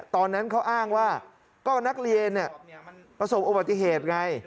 ตอนนั้นเขาอ้างว่าก็นักเรียนประสบอุบัติเหตุไง